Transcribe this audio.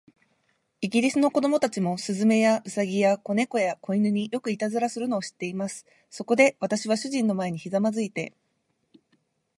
イギリスの子供たちも、雀や、兎や、小猫や、小犬に、よくいたずらをするのを知っています。そこで、私は主人の前にひざまずいて